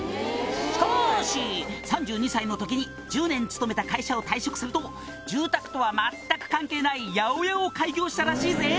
「しかし３２歳の時に１０年勤めた会社を退職すると住宅とは全く関係ない八百屋を開業したらしいぜ」